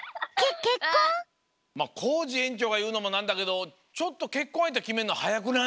コージえんちょうがいうのもなんだけどちょっとけっこんあいてきめんのはやくない？